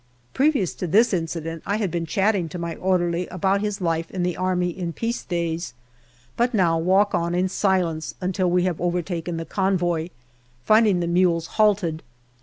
Previous to this incident I had been chatting to my orderly about his life in the Army in peace days, but now walk on in silence until we have overtaken the convoy, finding the mules halted.